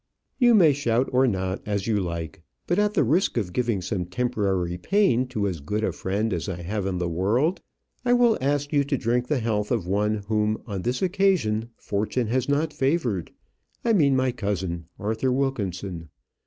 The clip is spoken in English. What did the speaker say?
"You may shout or not as you like; but at the risk of giving some temporary pain to as good a friend as I have in the world, I will ask you to drink the health of one whom on this occasion fortune has not favoured I mean my cousin, Arthur Wilkinson.